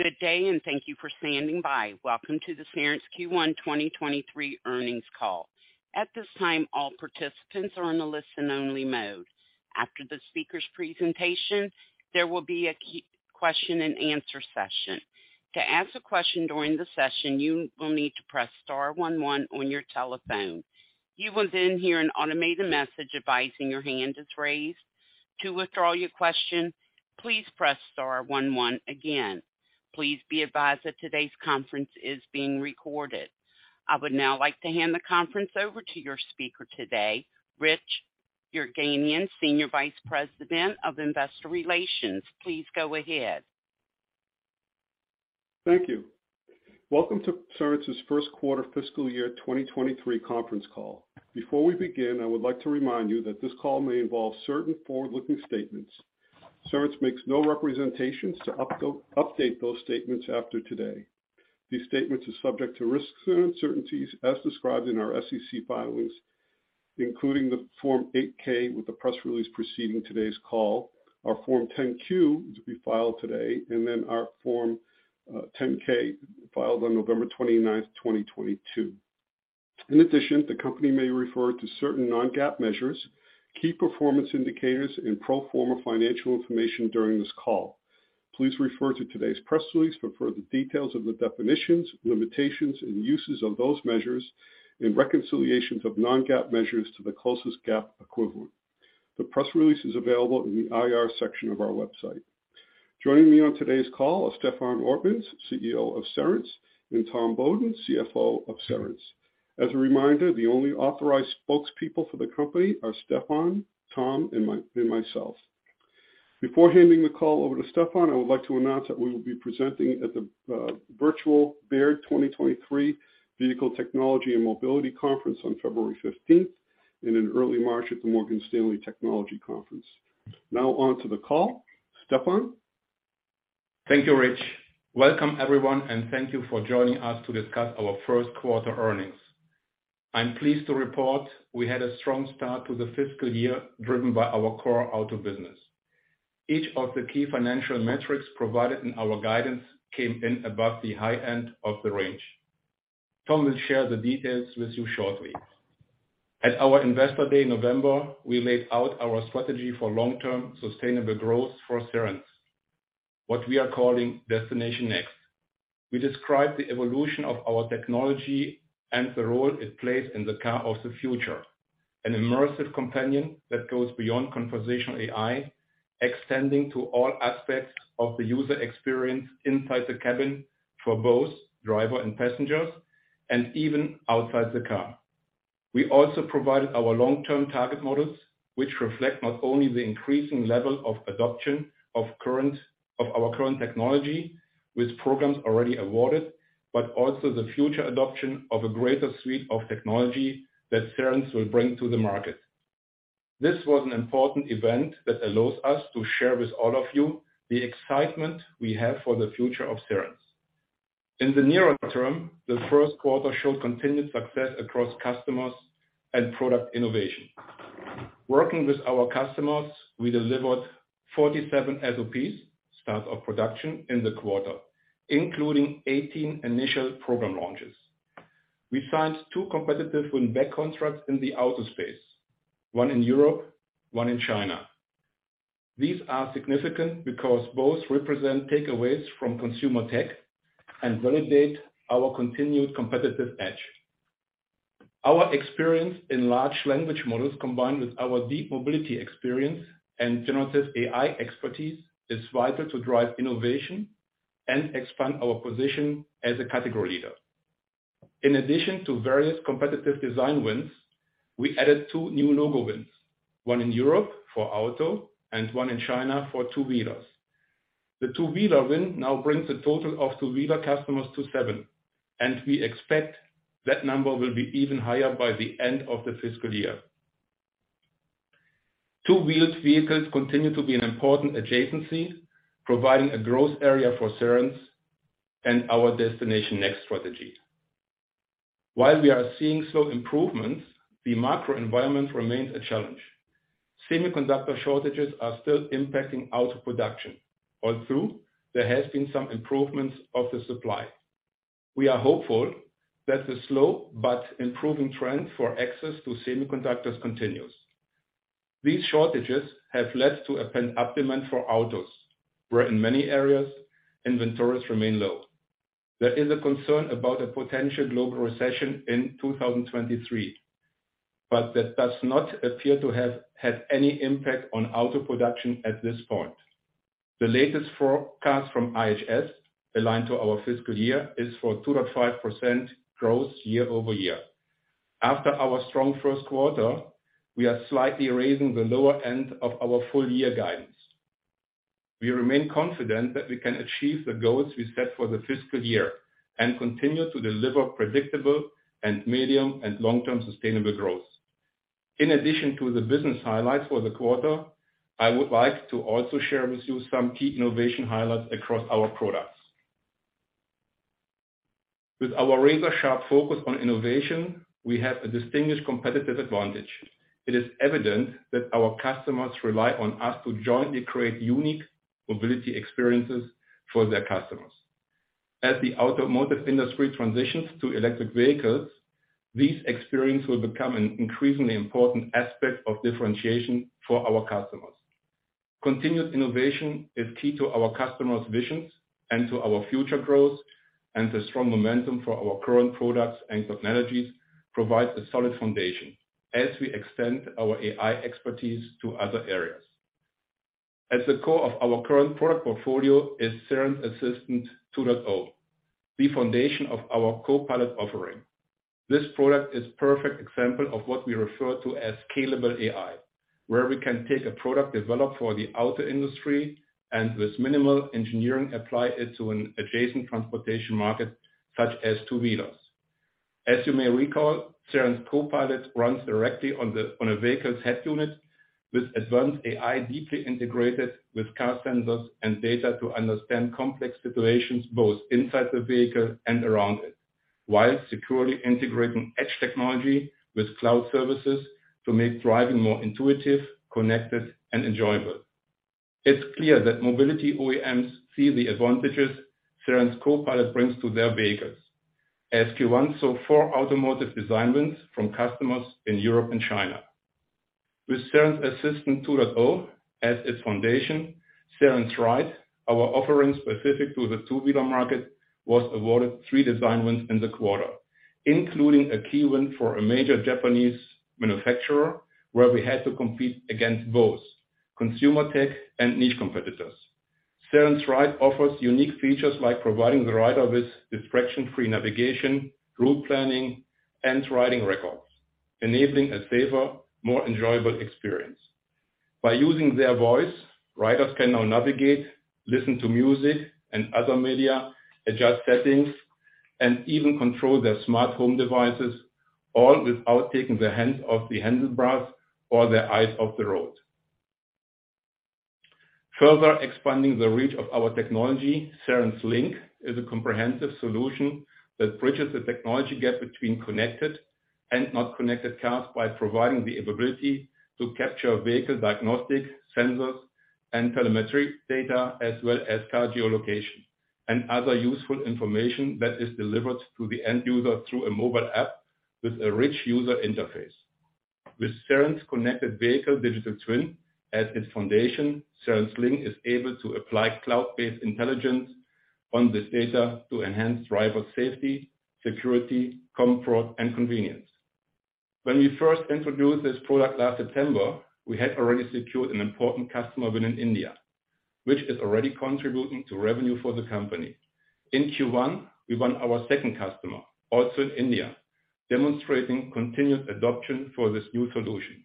Good day, and thank you for standing by. Welcome to the Cerence Q1 2023 earnings call. At this time, all participants are in a listen-only mode. After the speaker's presentation, there will be a question and answer session. To ask a question during the session, you will need to press star one, one on your telephone. You will then hear an automated message advising your hand is raised. To withdraw your question, please press star one, one again. Please be advised that today's conference is being recorded. I would now like to hand the conference over to your speaker today, Rich Yerganian, Senior Vice President of Investor Relations. Please go ahead. Thank you. Welcome to Cerence's first quarter fiscal year 2023 conference call. Before we begin, I would like to remind you that this call may involve certain forward-looking statements. Cerence makes no representations to update those statements after today. These statements are subject to risks and uncertainties as described in our SEC filings, including the Form 8-K with the press release preceding today's call, our Form 10-Q, which will be filed today, our Form 10-K, filed on November 29, 2022. In addition, the company may refer to certain non-GAAP measures, KPIs, and pro forma financial information during this call. Please refer to today's press release for further details of the definitions, limitations, and uses of those measures and reconciliations of non-GAAP measures to the closest GAAP equivalent. The press release is available in the IR section of our website. Joining me on today's call are Stefan Ortmanns, CEO of Cerence, and Tom Beaudoin, CFO of Cerence. As a reminder, the only authorized spokespeople for the company are Stefan, Tom, and myself. Before handing the call over to Stefan, I would like to announce that we will be presenting at the virtual Baird 2023 Vehicle Technology and Mobility Conference on February 15th, and in early March at the Morgan Stanley Technology Conference. Now on to the call. Stefan? Thank you, Rich. Welcome, everyone, and thank you for joining us to discuss our first quarter earnings. I'm pleased to report we had a strong start to the fiscal year, driven by our core auto business. Each of the key financial metrics provided in our guidance came in above the high end of the range. Tom will share the details with you shortly. At our Investor Day in November, we laid out our strategy for long-term sustainable growth for Cerence, what we are calling Destination Next. We described the evolution of our technology and the role it plays in the car of the future, an immersive companion that goes beyond conversational AI, extending to all aspects of the user experience inside the cabin for both driver and passengers, and even outside the car. We also provided our long-term target models, which reflect not only the increasing level of adoption of current, of our current technology with programs already awarded, but also the future adoption of a greater suite of technology that Cerence will bring to the market. This was an important event that allows us to share with all of you the excitement we have for the future of Cerence. In the nearer term, the first quarter showed continued success across customers and product innovation. Working with our customers, we delivered 47 SOPs, start of production, in the quarter, including 18 initial program launches. We signed two competitive win-back contracts in the auto space, one in Europe, one in China. These are significant because both represent takeaways from consumer tech and validate our continued competitive edge. Our experience in large language models, combined with our deep mobility experience and generative AI expertise, is vital to drive innovation and expand our position as a category leader. In addition to various competitive design wins, we added two new logo wins, one in Europe for auto and one in China for two-wheelers. The two-wheeler win now brings the total of two-wheeler customers to seven, and we expect that number will be even higher by the end of the fiscal year. Two-wheeled vehicles continue to be an important adjacency, providing a growth area for Cerence and our Destination Next strategy. While we are seeing slow improvements, the macro environment remains a challenge. Semiconductor shortages are still impacting auto production, although there has been some improvements of the supply. We are hopeful that the slow but improving trend for access to semiconductors continues. These shortages have led to a pent-up demand for autos, where in many areas, inventories remain low. There is a concern about a potential global recession in 2023, but that does not appear to have had any impact on auto production at this point. The latest forecast from IHS, aligned to our fiscal year, is for 2.5% growth year-over-year. After our strong first quarter, we are slightly raising the lower end of our full year guidance. We remain confident that we can achieve the goals we set for the fiscal year and continue to deliver predictable and medium and long-term sustainable growth. In addition to the business highlights for the quarter, I would like to also share with you some key innovation highlights across our products. With our razor-sharp focus on innovation, we have a distinguished competitive advantage. It is evident that our customers rely on us to jointly create unique mobility experiences for their customers. As the automotive industry transitions to electric vehicles, these experience will become an increasingly important aspect of differentiation for our customers. Continued innovation is key to our customers' visions and to our future growth, and the strong momentum for our current products and technologies provides a solid foundation as we extend our AI expertise to other areas. At the core of our current product portfolio is Cerence Assistant 2.0, the foundation of our Co-Pilot offering. This product is perfect example of what we refer to as scalable AI, where we can take a product developed for the auto industry, and with minimal engineering, apply it to an adjacent transportation market, such as two-wheelers. As you may recall, Cerence Co-Pilot runs directly on a vehicle's head unit with advanced AI deeply integrated with car sensors and data to understand complex situations, both inside the vehicle and around it, while securely integrating edge technology with cloud services to make driving more intuitive, connected, and enjoyable. It's clear that mobility OEMs see the advantages Cerence Co-Pilot brings to their vehicles. Q1 saw four automotive design wins from customers in Europe and China. With Cerence Assistant 2.0 as its foundation, Cerence Ride, our offering specific to the two-wheeler market, was awarded three design wins in the quarter, including a key win for a major Japanese manufacturer, where we had to compete against both consumer tech and niche competitors. Cerence Ride offers unique features like providing the rider with distraction-free navigation, route planning, and riding records, enabling a safer, more enjoyable experience. By using their voice, riders can now navigate, listen to music and other media, adjust settings, and even control their smart home devices, all without taking their hands off the handlebars or their eyes off the road. Further expanding the reach of our technology, Cerence Link is a comprehensive solution that bridges the technology gap between connected and not connected cars by providing the ability to capture vehicle diagnostic, sensors, and telemetry data, as well as car geolocation and other useful information that is delivered to the end user through a mobile app with a rich user interface. With Cerence Connected Vehicle Digital Twin as its foundation, Cerence Link is able to apply cloud-based intelligence on this data to enhance driver safety, security, comfort, and convenience. When we first introduced this product last September, we had already secured an important customer win in India, which is already contributing to revenue for the company. In Q1, we won our second customer, also in India, demonstrating continued adoption for this new solution.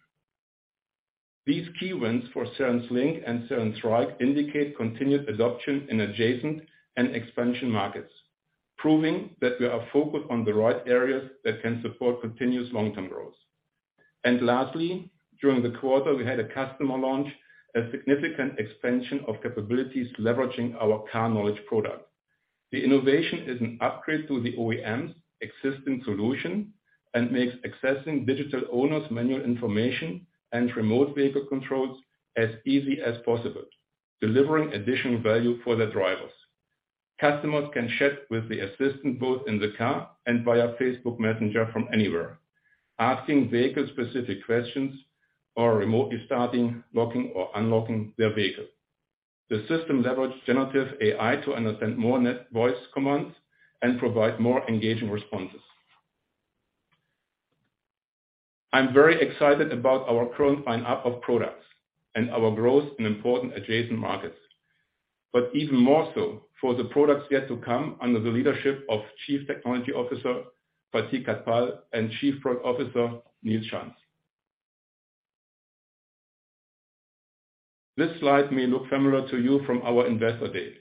These key wins for Cerence Link and Cerence Ride indicate continued adoption in adjacent and expansion markets, proving that we are focused on the right areas that can support continuous long-term growth. Lastly, during the quarter, we had a customer launch a significant expansion of capabilities leveraging our Cerence Car Knowledge product. The innovation is an upgrade to the OEM's existing solution and makes accessing digital owner's manual information and remote vehicle controls as easy as possible, delivering additional value for the drivers. Customers can chat with the assistant both in the car and via Facebook Messenger from anywhere, asking vehicle-specific questions or remotely starting, locking or unlocking their vehicle. The system leverage generative AI to understand more net voice commands and provide more engaging responses. I'm very excited about our current line-up of products and our growth in important adjacent markets, but even more so for the products yet to come under the leadership of Chief Technology Officer, Prateek Kathpal, and Chief Product Officer, Nils Schanz. This slide may look familiar to you from our investor day,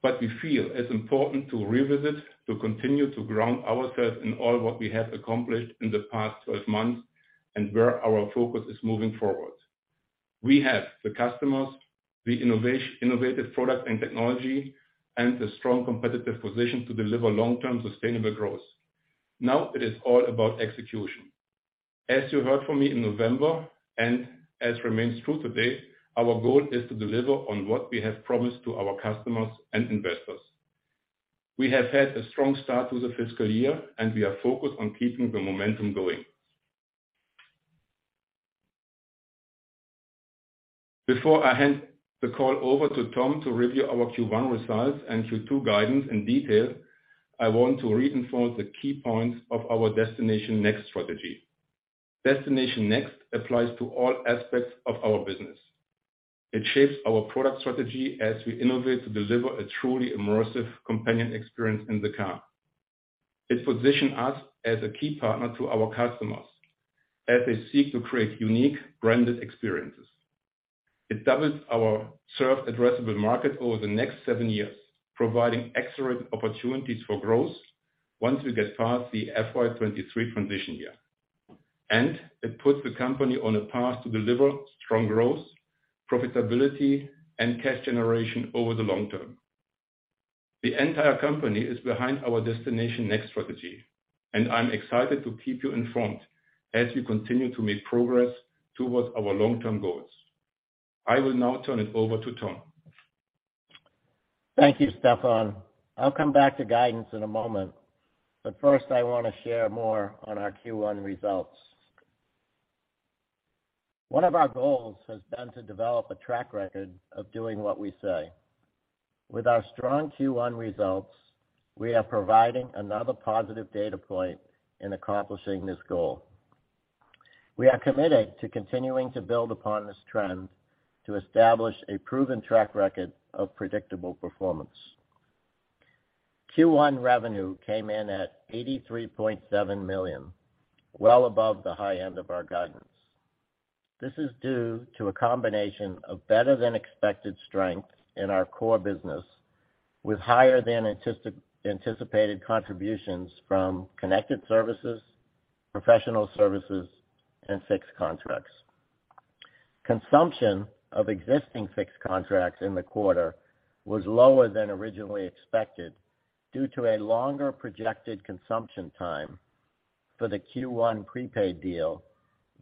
but we feel it's important to revisit to continue to ground ourselves in all what we have accomplished in the past 12 months and where our focus is moving forward. We have the customers, the innovative product and technology, and the strong competitive position to deliver long-term sustainable growth. Now it is all about execution. As you heard from me in November, and as remains true today, our goal is to deliver on what we have promised to our customers and investors. We have had a strong start to the fiscal year and we are focused on keeping the momentum going. Before I hand the call over to Tom to review our Q1 results and Q2 guidance in detail, I want to reinforce the key points of our Destination Next strategy. Destination Next applies to all aspects of our business. It shapes our product strategy as we innovate to deliver a truly immersive companion experience in the car. It position us as a key partner to our customers as they seek to create unique branded experiences. It doubles our served addressable market over the next seven years, providing excellent opportunities for growth once we get past the FY 2023 transition year. It puts the company on a path to deliver strong growth, profitability, and cash generation over the long term. The entire company is behind our Destination Next strategy, and I'm excited to keep you informed as we continue to make progress towards our long-term goals. I will now turn it over to Tom. Thank you, Stefan. I'll come back to guidance in a moment, but first, I wanna share more on our Q1 results. One of our goals has been to develop a track record of doing what we say. With our strong Q1 results, we are providing another positive data point in accomplishing this goal. We are committed to continuing to build upon this trend to establish a proven track record of predictable performance. Q1 revenue came in at $83.7 million, well above the high end of our guidance. This is due to a combination of better-than-expected strength in our core business, with higher than anticipated contributions from connected services, professional services, and fixed contracts. Consumption of existing fixed contracts in the quarter was lower than originally expected due to a longer projected consumption time for the Q1 prepaid deal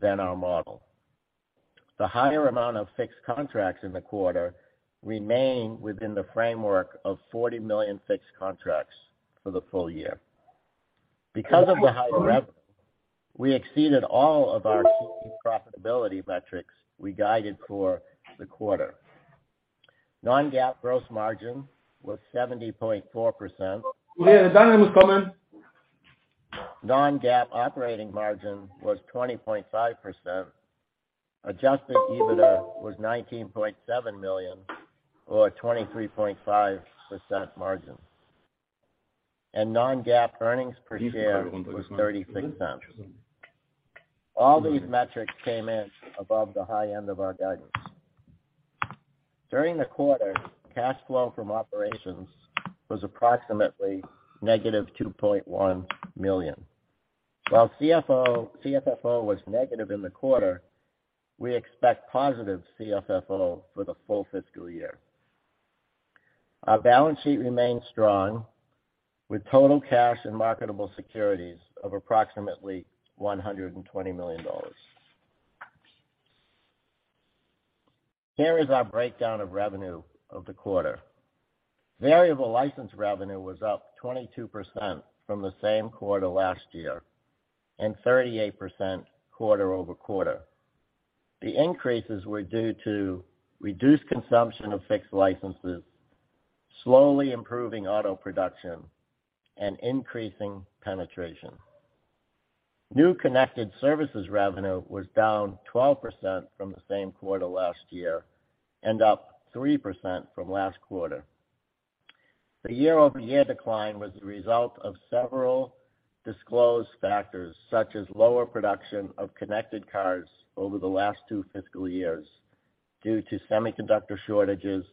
than our model. The higher amount of fixed contracts in the quarter remain within the framework of $40 million fixed contracts for the full year. Because of the higher revenue, we exceeded all of our key profitability metrics we guided for the quarter. Non-GAAP gross margin was 70.4%. We have done in common. Non-GAAP operating margin was 20.5%. Adjusted EBITDA was $19.7 million or a 23.5% margin. Non-GAAP earnings per share was $0.36. All these metrics came in above the high end of our guidance. During the quarter, cash flow from operations was approximately -$2.1 million. While CFFO was negative in the quarter, we expect positive CFFO for the full fiscal year. Our balance sheet remains strong, with total cash and marketable securities of approximately $120 million. Here is our breakdown of revenue of the quarter. Variable license revenue was up 22% from the same quarter last year and 38% quarter-over-quarter. The increases were due to reduced consumption of fixed licenses, slowly improving auto production, and increasing penetration. New connected services revenue was down 12% from the same quarter last year and up 3% from last quarter. The year-over-year decline was the result of several disclosed factors, such as lower production of connected cars over the last two fiscal years due to semiconductor shortages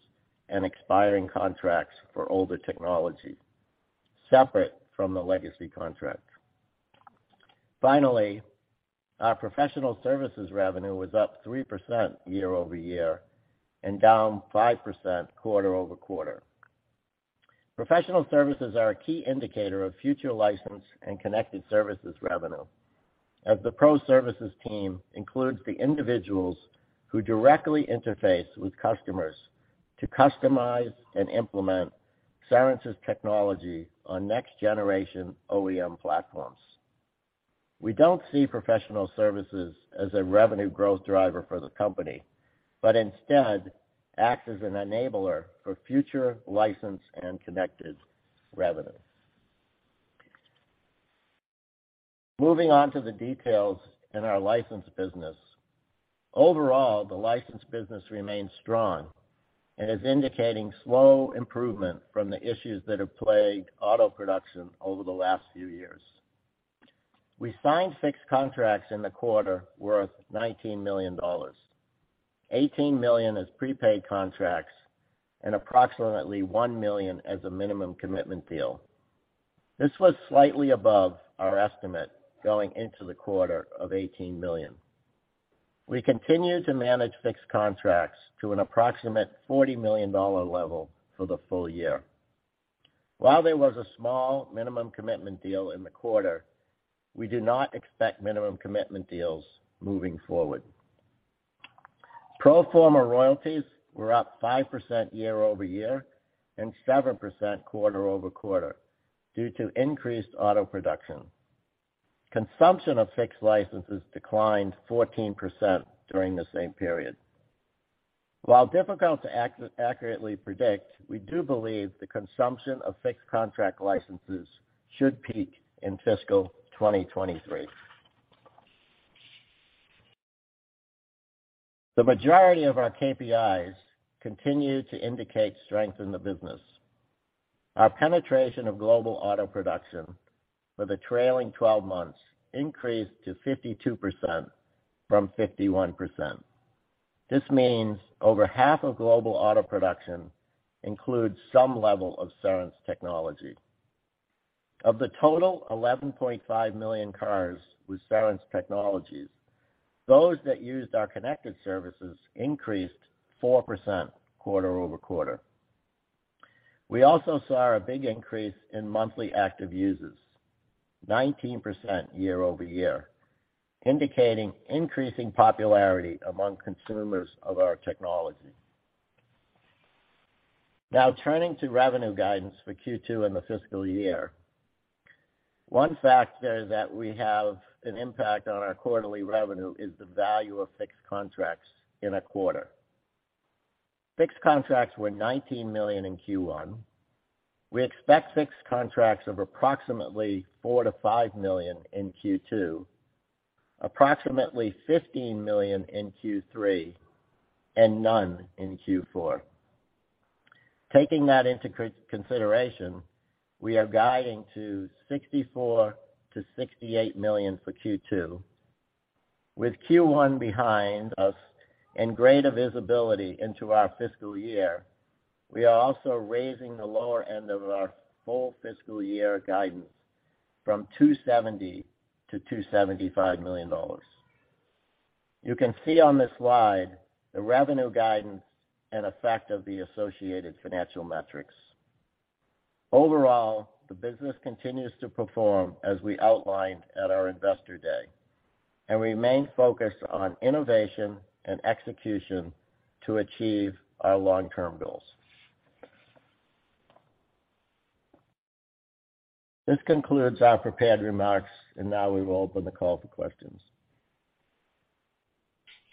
and expiring contracts for older technology, separate from the legacy contract. Our professional services revenue was up 3% year-over-year and down 5% quarter-over-quarter. Professional services are a key indicator of future license and connected services revenue, as the pro services team includes the individuals who directly interface with customers to customize and implement Cerence's technology on next-generation OEM platforms. We don't see professional services as a revenue growth driver for the company, but instead acts as an enabler for future licensed and connected revenue. Moving on to the details in our license business. Overall, the license business remains strong and is indicating slow improvement from the issues that have plagued auto production over the last few years. We signed six contracts in the quarter worth $19 million, $18 million as prepaid contracts and approximately $1 million as a minimum commitment deal. This was slightly above our estimate going into the quarter of $18 million. We continue to manage fixed contracts to an approximate $40 million level for the full year. While there was a small minimum commitment deal in the quarter, we do not expect minimum commitment deals moving forward. Pro forma royalties were up 5% year-over-year and 7% quarter-over-quarter due to increased auto production. Consumption of fixed licenses declined 14% during the same period. While difficult to accurately predict, we do believe the consumption of fixed contract licenses should peak in fiscal 2023. The majority of our KPIs continue to indicate strength in the business. Our penetration of global auto production for the trailing 12 months increased to 52% from 51%. This means over half of global auto production includes some level of Cerence technology. Of the total 11.5 million cars with Cerence technologies, those that used our connected services increased 4% quarter-over-quarter. We also saw a big increase in monthly active users, 19% year-over-year, indicating increasing popularity among consumers of our technology. Turning to revenue guidance for Q2 and the fiscal year. One factor that we have an impact on our quarterly revenue is the value of fixed contracts in a quarter. Fixed contracts were $19 million in Q1. We expect fixed contracts of approximately $4 million-$5 million in Q2, approximately $15 million in Q3, and none in Q4. Taking that into consideration, we are guiding to $64 million-$68 million for Q2. With Q1 behind us and greater visibility into our fiscal year, we are also raising the lower end of our full fiscal year guidance from $270 million-$275 million. You can see on this slide the revenue guidance and effect of the associated financial metrics. Overall, the business continues to perform as we outlined at our Investor Day, and remain focused on innovation and execution to achieve our long-term goals. This concludes our prepared remarks and now we will open the call for questions.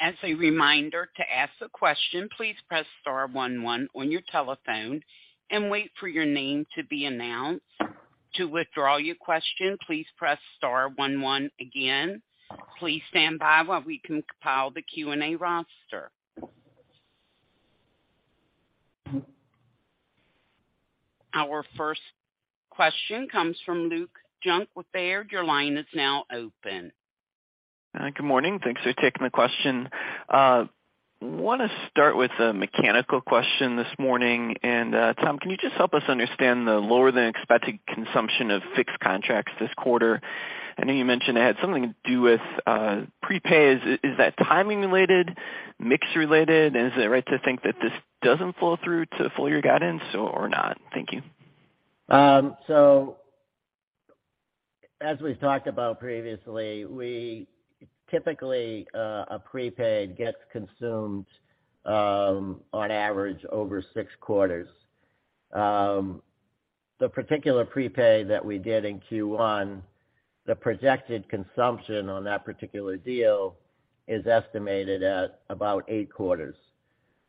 As a reminder to ask a question, please press star one, one on your telephone and wait for your name to be announced. To withdraw your question, please press star one, one again. Please stand by while we compile the Q&A roster. Our first question comes from Luke Junk with Baird. Your line is now open. Good morning. Thanks for taking the question. Want to start with a mechanical question this morning. Tom, can you just help us understand the lower than expected consumption of fixed contracts this quarter? I know you mentioned it had something to do with prepays. Is that timing related, mix related? Is it right to think that this doesn't flow through to full year guidance or not? Thank you. As we've talked about previously, we typically, a prepaid gets consumed, on average over six quarters. The particular prepaid that we did in Q1, the projected consumption on that particular deal is estimated at about eight quarters.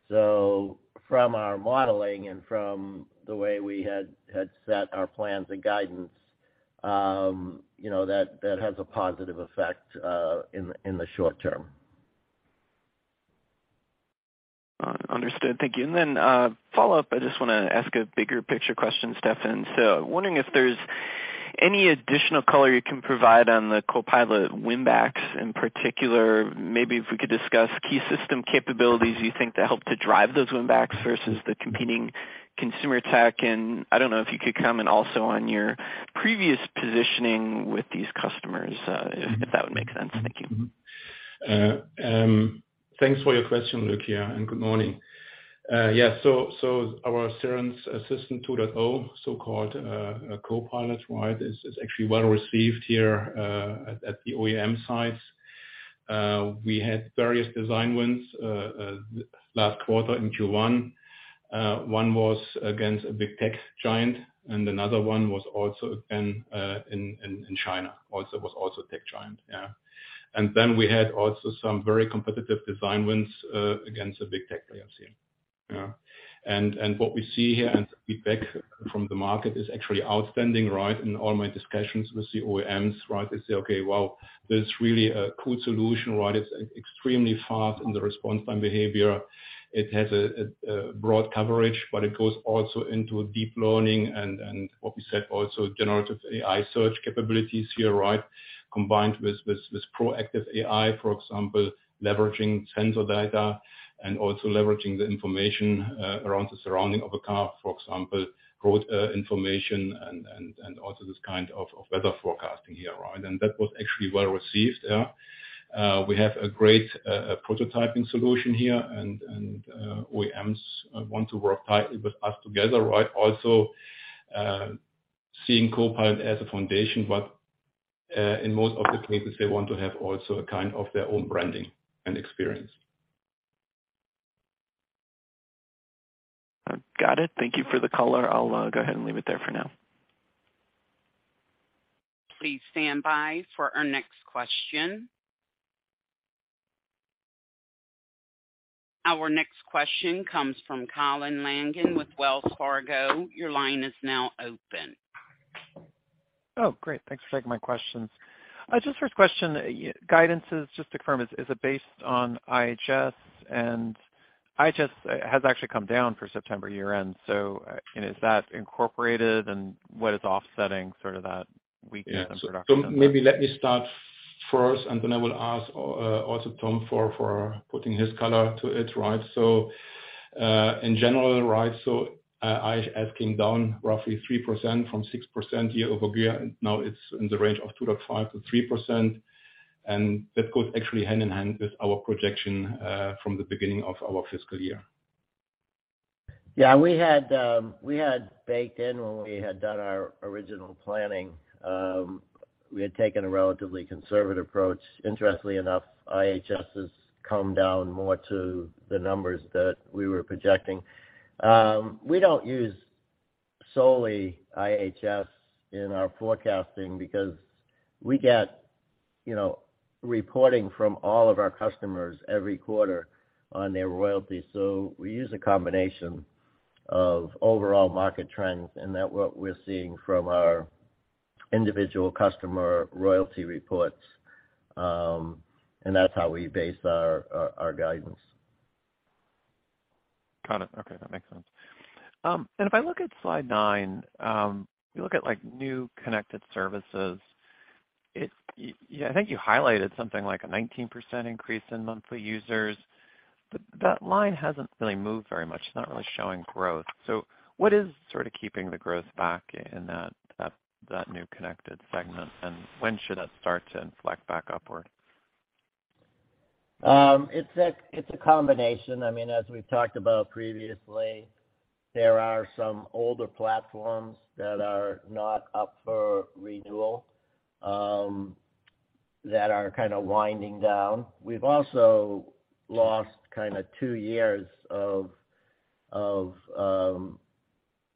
From our modeling and from the way we had set our plans and guidance, you know, that has a positive effect in the short term. Understood. Thank you. Follow up, I just wanna ask a bigger picture question, Stefan. Wondering if there's any additional color you can provide on the Co-Pilot winbacks in particular. Maybe if we could discuss key system capabilities you think that help to drive those winbacks versus the competing consumer tech. I don't know if you could comment also on your previous positioning with these customers, if that would make sense. Thank you. Thanks for your question, Luke, yeah, and good morning. Our Cerence Assistant 2.0, so-called Co-Pilot, is actually well received here at the OEM sites. We had various design wins last quarter in Q1. One was against a big tech giant, and another one was also again in China, was also a tech giant. Yeah. We had also some very competitive design wins against the big tech OEM. Yeah. What we see here and feedback from the market is actually outstanding. In all my discussions with the OEMs, they say, "Okay, wow, that's really a cool solution." "It's extremely fast in the response time behavior. It has a broad coverage, but it goes also into deep learning" and what we said also, generative AI search capabilities here. Combined with Proactive AI, for example, leveraging sensor data and also leveraging the information around the surrounding of a car, for example, road information and also this kind of weather forecasting here. That was actually well received. Yeah. We have a great prototyping solution here and OEMs want to work tightly with us together. Seeing Co-Pilot as a foundation, but in most of the cases, they want to have also a kind of their own branding and experience. Got it. Thank you for the color. I'll go ahead and leave it there for now. Please stand by for our next question. Our next question comes from Colin Langan with Wells Fargo. Your line is now open. Oh, great. Thanks for taking my questions. Just first question. Guidance is just to confirm, is it based on IHS and... IHS has actually come down for September year-end. Is that incorporated and what is offsetting sort of that weakness in production? Yeah. Maybe let me start first, and then I will ask Tom for putting his color to it, right. In general, right, IHS came down roughly 3% from 6% year-over-year, and now it's in the range of 2.5%-3%. That goes actually hand in hand with our projection from the beginning of our fiscal year. Yeah, we had baked in when we had done our original planning, we had taken a relatively conservative approach. Interestingly enough, IHS has come down more to the numbers that we were projecting. We don't use solely IHS in our forecasting because we get, you know, reporting from all of our customers every quarter on their royalties. We use a combination of overall market trends and that what we're seeing from our individual customer royalty reports, and that's how we base our guidance. Got it. Okay. That makes sense. If I look at slide nine, you look at like new connected services, I think you highlighted something like a 19% increase in monthly users. That line hasn't really moved very much. It's not really showing growth. What is sort of keeping the growth back in that new connected segment, and when should that start to inflect back upward? It's a combination. I mean, as we've talked about previously, there are some older platforms that are not up for renewal, that are kind of winding down. We've also lost kind of 2 years of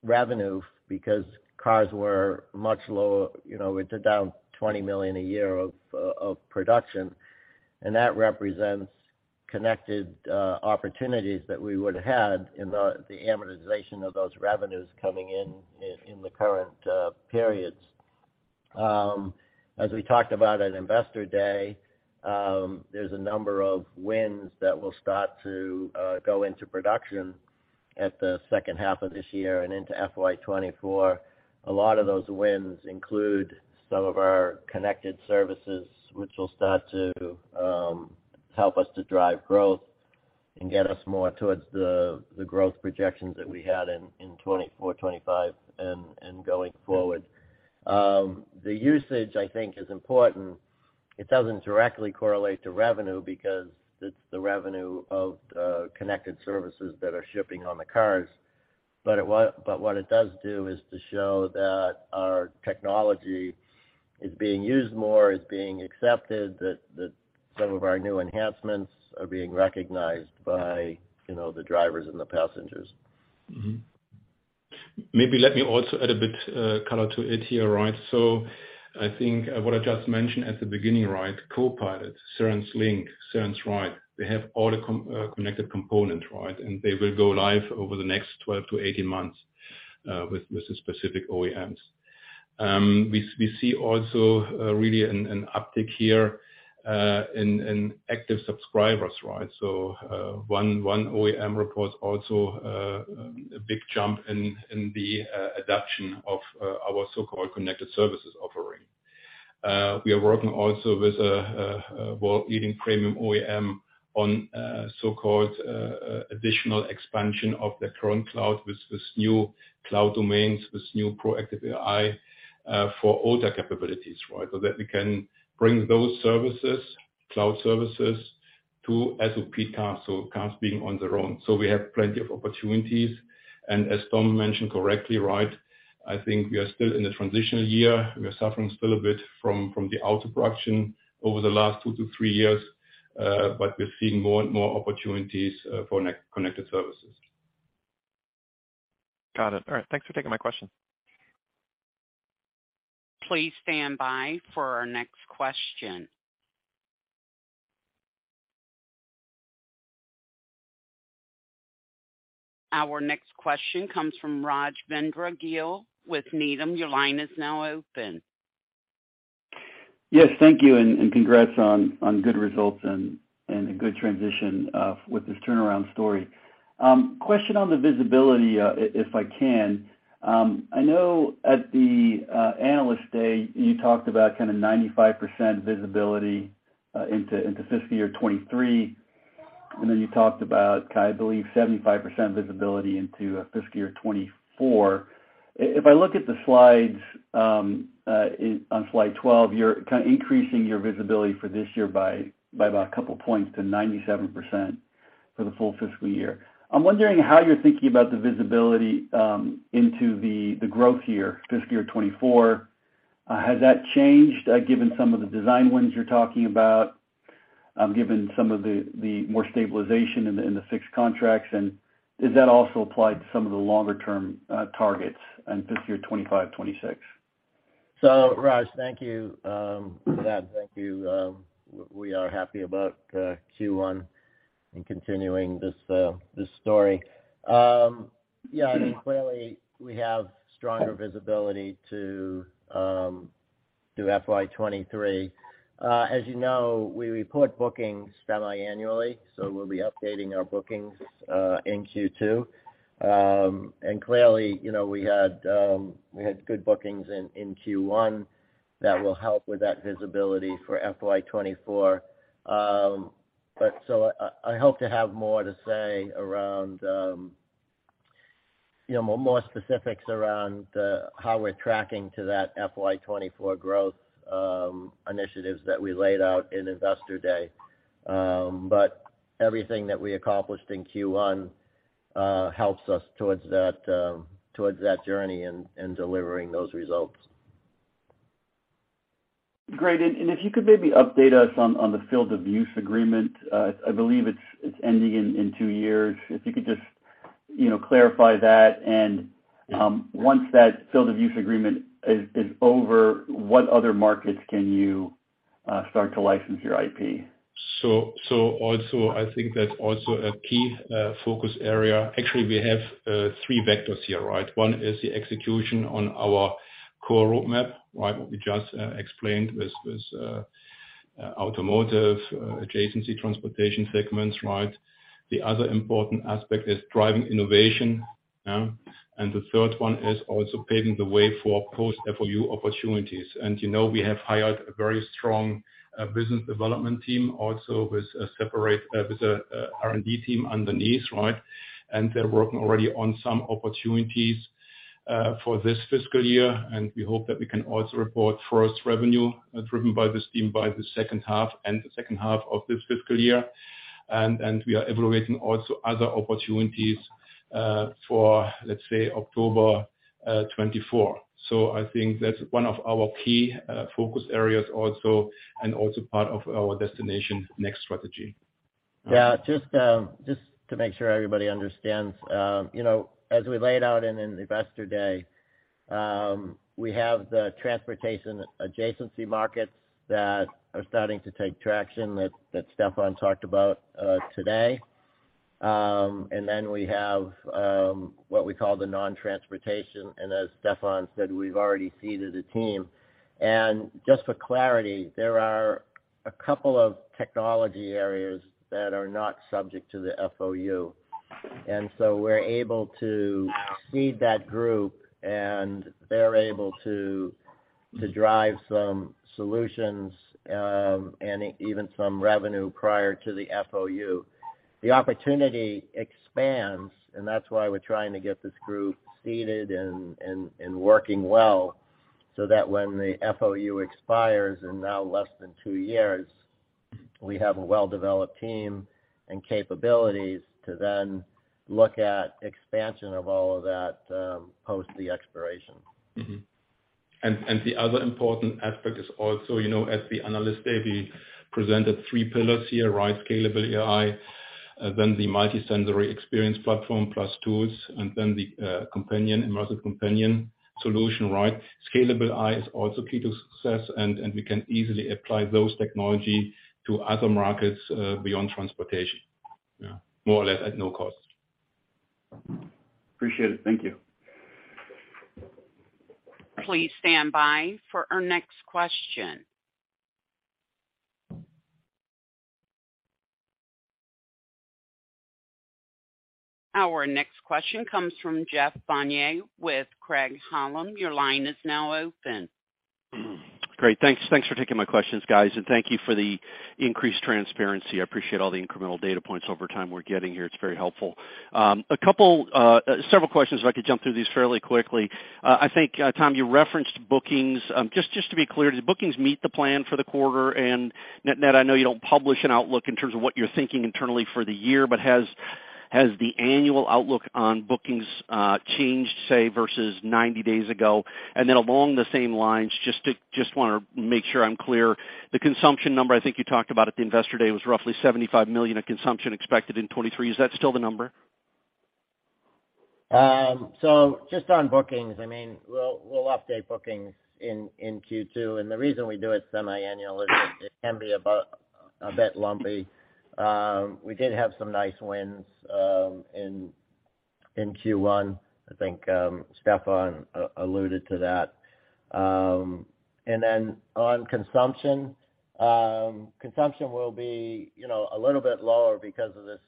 revenue because cars were much lower, you know, we're down $20 million a year of production, and that represents connected opportunities that we would've had in the amortization of those revenues coming in the current periods. As we talked about at Investor Day, there's a number of wins that will start to go into production at the second half of this year and into FY 2024. A lot of those wins include some of our connected services, which will start to help us to drive growth and get us more towards the growth projections that we had in 2024, 2025 and going forward. The usage, I think, is important. It doesn't directly correlate to revenue because it's the revenue of connected services that are shipping on the cars. What it does do is to show that our technology is being used more, it's being accepted, that some of our new enhancements are being recognized by, you know, the drivers and the passengers. Maybe let me also add a bit color to it here, right? I think what I just mentioned at the beginning, right? Co-Pilot, Cerence Link, Cerence Ride, they have all the connected components, right? They will go live over the next 12-18 months with the specific OEMs. We see also really an uptick here in active subscribers, right? One OEM reports also a big jump in the adoption of our so-called connected services offering. We are working also with a world-leading premium OEM on so-called additional expansion of their current cloud with this new cloud domains, this new Proactive AI for older capabilities, right? That we can bring those services, cloud services to SOP cars, so cars being on their own. We have plenty of opportunities. As Tom mentioned correctly, right, I think we are still in a transitional year. We are suffering still a bit from the auto production over the last 2 to 3 years, but we're seeing more and more opportunities for connected services. Got it. All right. Thanks for taking my question. Please stand by for our next question. Our next question comes from Rajvindra Gill with Needham. Your line is now open. Thank you, and congrats on good results and a good transition with this turnaround story. Question on the visibility, if I can. I know at the Analyst Day, you talked about kind of 95% visibility into fiscal year 23, you talked about, I believe, 75% visibility into fiscal year 24. If I look at the slides, on slide 12, you're kind of increasing your visibility for this year by about a couple points to 97% for the full fiscal year. I'm wondering how you're thinking about the visibility into the growth year, fiscal year 24. Has that changed, given some of the design wins you're talking about, given some of the more stabilization in the fixed contracts? Does that also apply to some of the longer-term, targets in fiscal year 25, 26? Raj, thank you for that. Thank you. We are happy about Q1 and continuing this story. Yeah, I mean, clearly we have stronger visibility through FY 2023. As you know, we report bookings semi-annually, so we'll be updating our bookings in Q2. Clearly, you know, we had good bookings in Q1 that will help with that visibility for FY 2024. I hope to have more to say around, you know, more, more specifics around how we're tracking to that FY 2024 growth, initiatives that we laid out in Investor Day. Everything that we accomplished in Q1 helps us towards that journey and delivering those results. Great. If you could maybe update us on the field of use agreement, I believe it's ending in two years. If you could just, you know, clarify that. Once that field of use agreement is over, what other markets can you start to license your IP? Also I think that's also a key focus area. Actually, we have three vectors here, right? One is the execution on our core roadmap, right? What we just explained with automotive adjacency transportation segments, right? The other important aspect is driving innovation, yeah. The third one is also paving the way for post-FOU opportunities. You know we have hired a very strong business development team also with a separate R&D team underneath, right? They're working already on some opportunities for this fiscal year, and we hope that we can also report first revenue driven by this team by the second half and the second half of this fiscal year. We are evaluating also other opportunities for, let's say, October 2024. I think that's one of our key, focus areas also and also part of our Destination Next strategy. Yeah. Just to make sure everybody understands, you know, as we laid out in an Investor Day, we have the transportation adjacency markets that are starting to take traction that Stefan talked about today. We have what we call the non-transportation, and as Stefan said, we've already seeded a team. Just for clarity, there are a couple of technology areas that are not subject to the FOU. We're able to seed that group, and they're able to drive some solutions, and even some revenue prior to the FOU. The opportunity expands, and that's why we're trying to get this group seeded and working well, so that when the FOU expires in now less than two years, we have a well-developed team and capabilities to then look at expansion of all of that, post the expiration. Mm-hmm. The other important aspect is also, you know, at the Analyst Day, we presented three pillars here, right? Scalable AI, then the multi-sensory experience platform plus tools, and then the immersive companion solution, right? Scalable AI is also key to success, and we can easily apply those technology to other markets beyond transportation. Yeah. More or less at no cost. Appreciate it. Thank you. Please stand by for our next question. Our next question comes from Jeff Van Rhee with Craig-Hallum. Your line is now open. Great. Thanks for taking my questions, guys, and thank you for the increased transparency. I appreciate all the incremental data points over time we're getting here. It's very helpful. A couple, several questions, if I could jump through these fairly quickly. I think, Tom, you referenced bookings. Just to be clear, did bookings meet the plan for the quarter? Net-net, I know you don't publish an outlook in terms of what you're thinking internally for the year, but has the annual outlook on bookings changed, say, versus 90 days ago? Then along the same lines, just to make sure I'm clear, the consumption number I think you talked about at the Investor Day was roughly $75 million of consumption expected in 2023. Is that still the number? Just on bookings, I mean, we'll update bookings in Q2. The reason we do it semi-annual is it can be a bit lumpy. We did have some nice wins in Q1. I think Stefan alluded to that. On consumption will be, you know, a little bit lower because of this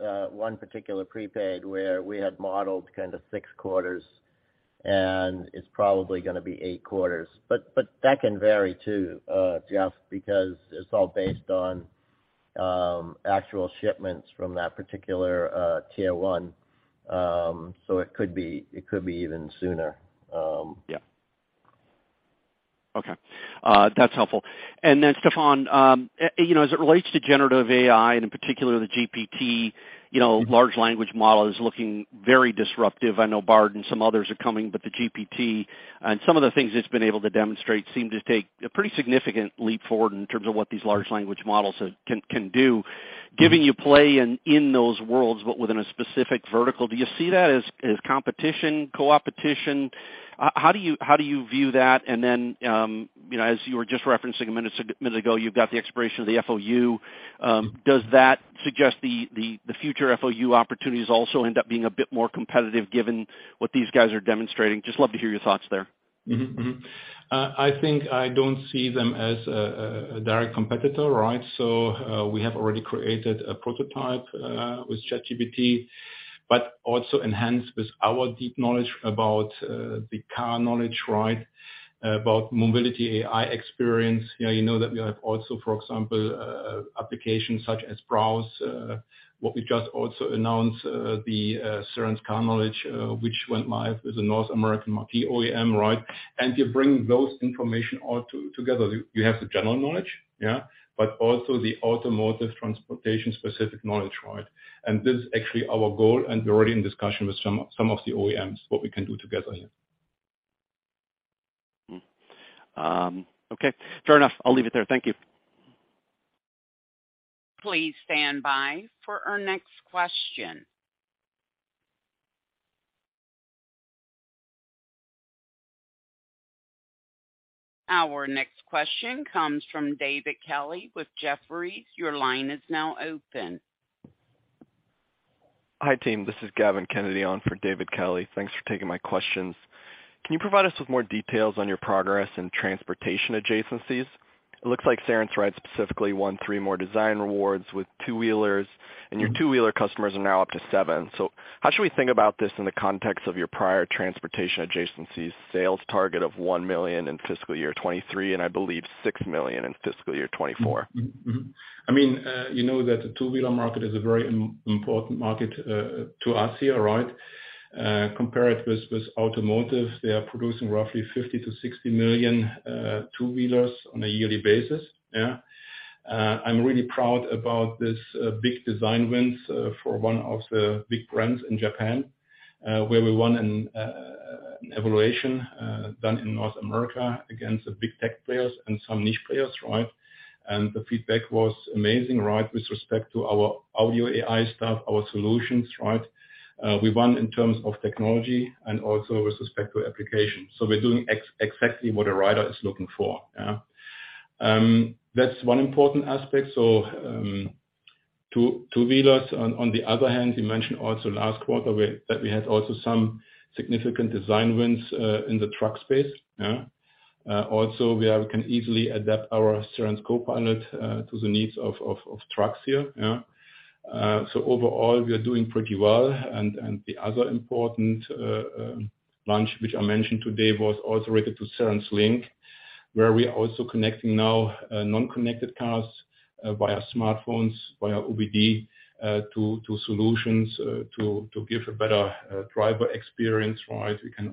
1 particular prepaid where we had modeled kind of 6 quarters, and it's probably gonna be eight quarters. That can vary too, Jeff, because it's all based on actual shipments from that particular tier one. It could be even sooner. Yeah. Okay. That's helpful. Stefan, you know, as it relates to generative AI, and in particular the GPT, you know, large language model is looking very disruptive. I know Bard and some others are coming, but the GPT and some of the things it's been able to demonstrate seem to take a pretty significant leap forward in terms of what these large language models can do. Giving you play in those worlds, but within a specific vertical, do you see that as competition, co-opetition? How do you view that? You know, as you were just referencing a minute ago, you've got the expiration of the FOU. Does that suggest the future FOU opportunities also end up being a bit more competitive given what these guys are demonstrating? Just love to hear your thoughts there. Mm-hmm. Mm-hmm. I think I don't see them as a direct competitor, right? We have already created a prototype with ChatGPT, but also enhanced with our deep knowledge about the Cerence Car Knowledge, right? About mobility AI experience. Yeah, you know that we have also, for example, applications such as browse, what we just also announced, the Cerence Car Knowledge, which went live with the North American OEM, right? You bring those information all together. You have the general knowledge, yeah, but also the automotive transportation specific knowledge, right? This is actually our goal, and we're already in discussion with some of the OEMs, what we can do together here. Okay. Fair enough. I'll leave it there. Thank you. Please stand by for our next question. Our next question comes from David Kelly with Jefferies. Your line is now open. Hi, team. This is Gavin Kennedy on for David Kelly. Thanks for taking my questions. Can you provide us with more details on your progress in transportation adjacencies? It looks like Cerence wrote specifically won three more design awards with two-wheelers, and your two-wheeler customers are now up to seven. How should we think about this in the context of your prior transportation adjacencies sales target of $1 million in fiscal year 2023, and I believe $6 million in fiscal year 2024? I mean, you know that the two-wheeler market is a very important market to us here, right? Compared with automotive, they are producing roughly 50 to 60 million two-wheelers on a yearly basis, yeah. I'm really proud about this big design wins for one of the big brands in Japan, where we won an evaluation done in North America against the big tech players and some niche players, right? The feedback was amazing, right, with respect to our audio AI stuff, our solutions, right? We won in terms of technology and also with respect to applications. We're doing exactly what a rider is looking for, yeah. That's one important aspect. Two-wheelers. On the other hand, you mentioned also last quarter that we had also some significant design wins in the truck space. Also, we can easily adapt our Cerence Co-Pilot to the needs of trucks here. Overall, we are doing pretty well. The other important launch, which I mentioned today, was also related to Cerence Link, where we are also connecting now non-connected cars via smartphones, via OBD, to solutions to give a better driver experience, right? We can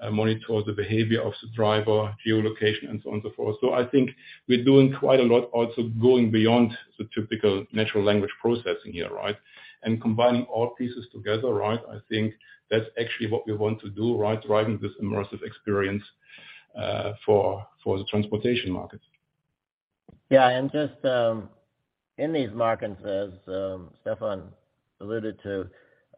also monitor the behavior of the driver, geolocation, and so on, so forth. I think we're doing quite a lot, also going beyond the typical natural language processing here, right? Combining all pieces together, right, I think that's actually what we want to do, right? Driving this immersive experience, for the transportation market. Yeah. Just, in these markets, as Stefan alluded to,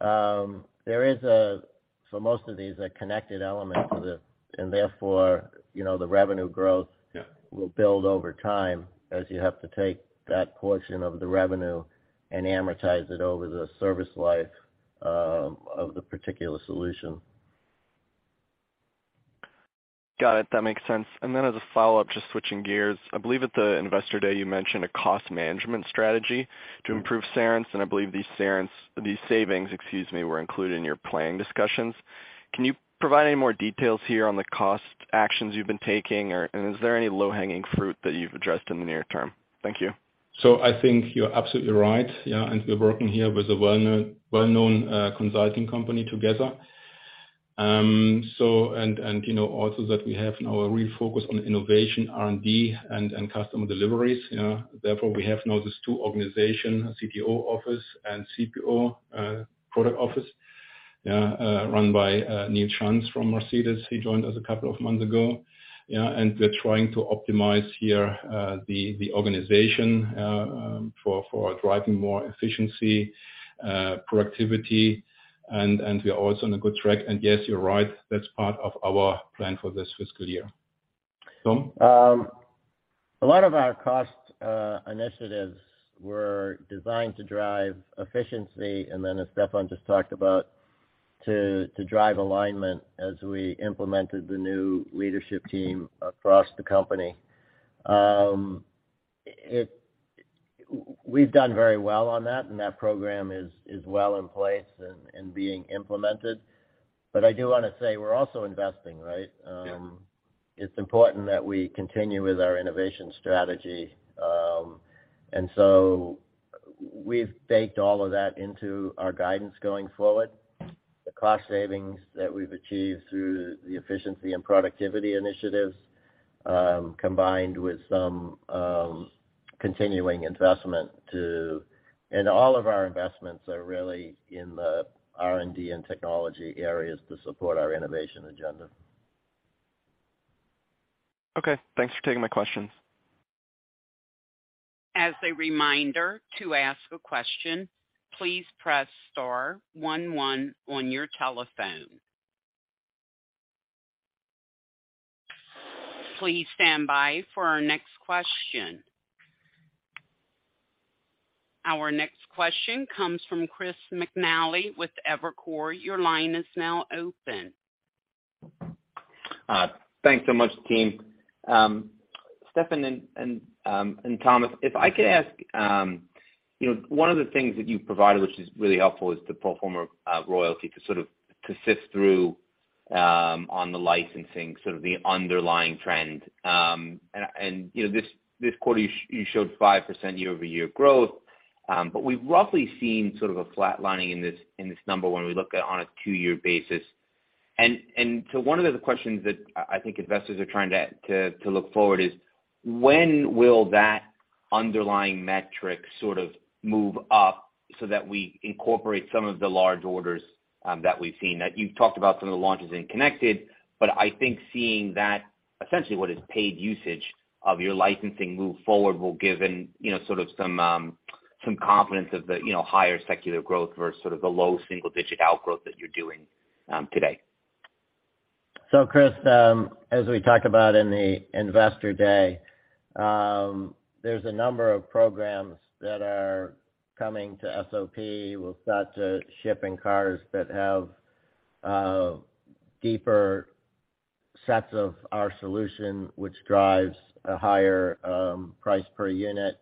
there is a, for most of these, a connected element to the... Therefore, you know, the revenue growth- Yeah. will build over time as you have to take that portion of the revenue and amortize it over the service life, of the particular solution. Got it. That makes sense. As a follow-up, just switching gears. I believe at the Investor Day, you mentioned a cost management strategy to improve Cerence. I believe these savings, excuse me, were included in your planning discussions. Can you provide any more details here on the cost actions you've been taking? Is there any low-hanging fruit that you've addressed in the near term? Thank you. I think you're absolutely right, and we're working here with a well-known consulting company together. You know, also that we have now a real focus on innovation, R&D and customer deliveries. Therefore, we have now these two organizations, CPO office and CPO product office, run by Neil Chance from Mercedes-Benz. He joined us a couple of months ago, and we're trying to optimize here the organization for driving more efficiency, productivity, and we are also on a good track. Yes, you're right, that's part of our plan for this fiscal year. Tom? A lot of our cost initiatives were designed to drive efficiency and then, as Stefan just talked about, to drive alignment as we implemented the new leadership team across the company. We've done very well on that, and that program is well in place and being implemented. I do wanna say we're also investing, right? Yeah. It's important that we continue with our innovation strategy. We've baked all of that into our guidance going forward. The cost savings that we've achieved through the efficiency and productivity initiatives, combined with some, continuing investment. All of our investments are really in the R&D and technology areas to support our innovation agenda. Okay. Thanks for taking my questions. As a reminder, to ask a question, please press star one one on your telephone. Please stand by for our next question. Our next question comes from Chris McNally with Evercore. Your line is now open. Thanks so much team. Stefan and Thomas, if I could ask, you know, one of the things that you've provided, which is really helpful, is the pro forma royalty to sort of consist through on the licensing, sort of the underlying trend. You know, this quarter you showed 5% year-over-year growth, but we've roughly seen sort of a flat lining in this, in this number when we look at on a 2-year basis. One of the questions that I think investors are trying to look forward is when will that underlying metric sort of move up so that we incorporate some of the large orders that we've seen? You've talked about some of the launches in connected. I think seeing that essentially what is paid usage of your licensing move forward will give, you know, sort of some confidence of the, you know, higher secular growth versus sort of the low single-digit outgrowth that you're doing, today. Chris, as we talked about in the investor day, there's a number of programs that are coming to SOP. We've got to ship in cars that have deeper sets of our solution, which drives a higher price per unit.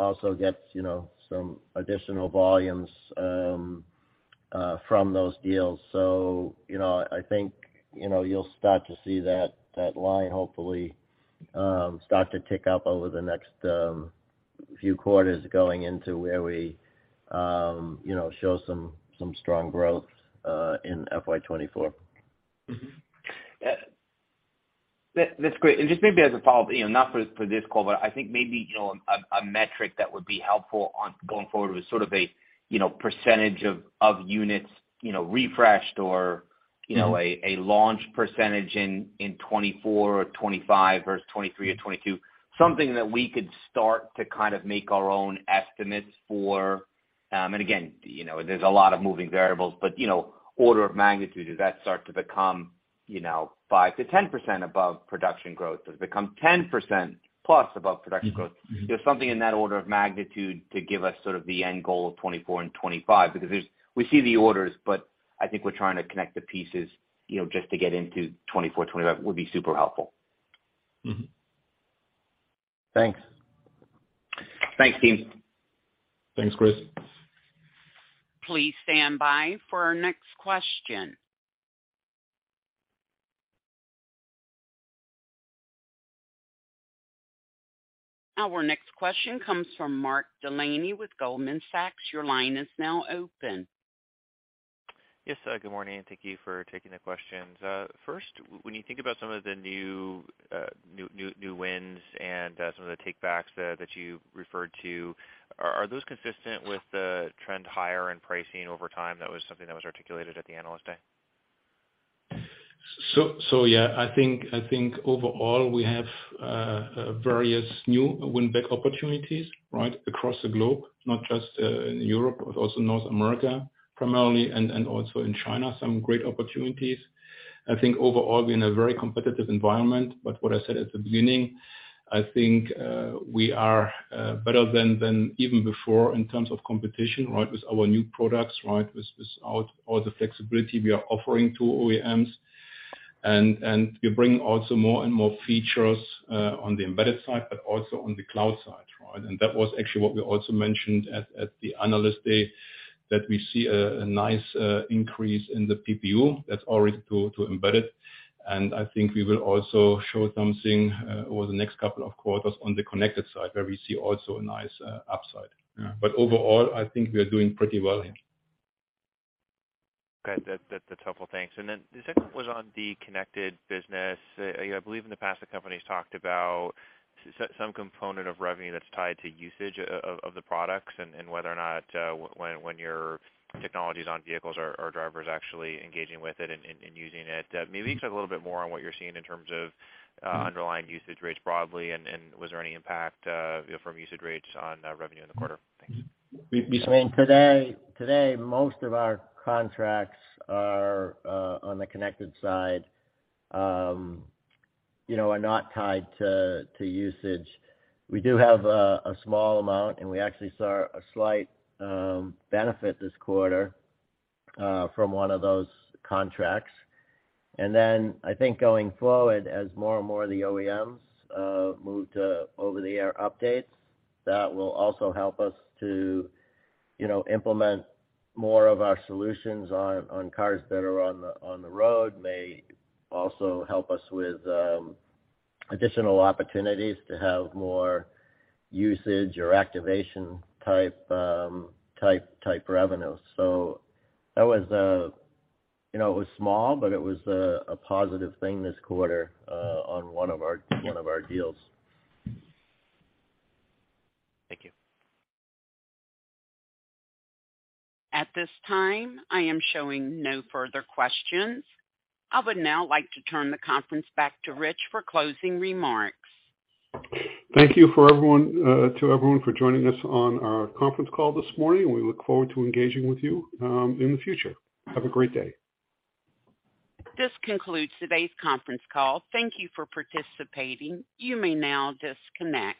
Also gets, you know, some additional volumes from those deals. I think, you know, you'll start to see that line hopefully, start to tick up over the next few quarters going into where we, you know, show some strong growth in FY24. That's great. Just maybe as a follow-up, you know, not for this call, but I think maybe, you know, a metric that would be helpful on going forward with sort of a, you know, percentage of units, you know, refreshed or, you know, a launch percentage in 2024 or 2025 versus 2023 or 2022. Something that we could start to kind of make our own estimates for. Again, you know, there's a lot of moving variables, but, you know, order of magnitude, does that start to become, you know, 5%-10% above production growth? Does it become 10%+ above production growth? Just something in that order of magnitude to give us sort of the end goal of 2024 and 2025. We see the orders, but I think we're trying to connect the pieces, you know, just to get into 2024, 2025 would be super helpful. Mm-hmm. Thanks. Thanks, team. Thanks, Chris. Please stand by for our next question. Our next question comes from Mark Delaney with Goldman Sachs. Your line is now open. Yes, good morning and thank you for taking the questions. First, when you think about some of the new wins and some of the take backs that you referred to, are those consistent with the trend higher in pricing over time? That was something that was articulated at the Analyst Day. Yeah, I think, I think overall we have various new win back opportunities, right, across the globe, not just in Europe, but also North America primarily and also in China, some great opportunities. I think overall we're in a very competitive environment. What I said at the beginning, I think, we are better even before in terms of competition, right? With our new products, right? With our, all the flexibility we are offering to OEMs. We bring also more and more features on the embedded side, but also on the cloud side, right? That was actually what we also mentioned at the Analyst Day, that we see a nice increase in the PPU that's already to embedded. I think we will also show something over the next couple of quarters on the connected side where we see also a nice upside. Yeah. Overall, I think we are doing pretty well here. Okay. That's helpful. Thanks. The second was on the connected business. You know, I believe in the past the company's talked about some component of revenue that's tied to usage of the products and whether or not when your technology's on vehicles or drivers actually engaging with it and using it. Maybe you can talk a little bit more on what you're seeing in terms of underlying usage rates broadly and was there any impact, you know, from usage rates on revenue in the quarter? Thanks. I mean, today, most of our contracts are on the connected side, you know, are not tied to usage. We do have a small amount, and we actually saw a slight benefit this quarter from one of those contracts. I think going forward, as more and more of the OEMs move to over-the-air updates, that will also help us to, you know, implement more of our solutions on cars that are on the road. May also help us with additional opportunities to have more usage or activation type revenue. That was, you know, it was small, but it was a positive thing this quarter on one of our deals. Thank you. At this time, I am showing no further questions. I would now like to turn the conference back to Rich for closing remarks. Thank you for everyone, to everyone for joining us on our conference call this morning. We look forward to engaging with you, in the future. Have a great day. This concludes today's conference call. Thank you for participating. You may now disconnect.